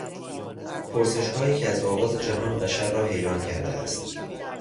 پرسشهایی که از آغاز جهان بشر را حیران کرده است